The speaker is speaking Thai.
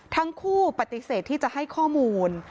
ทั้งคู่ปฏิเสธที่จะให้ข้อมูล